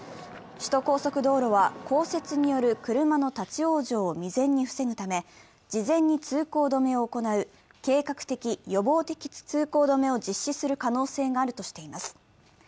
首都高速道路は降雪による車の立ち往生を未然に防ぐため事前に通行止めを行う計画的・予防的通行止めを実施する可能性があるとしています。